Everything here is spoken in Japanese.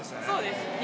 そうです。